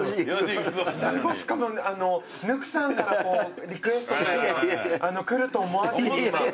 しかもぬくさんからもリクエスト来ると思わずに。